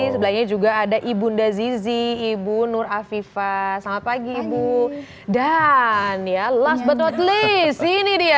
sebelahnya juga ada ibu nda zizi ibu nur afifah selamat pagi ibu dan ya last but not least ini dia